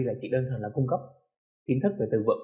là chỉ đơn thoảng là cung cấp kiến thức về từ vật